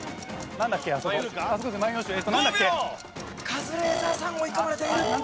カズレーザーさん追い込まれている。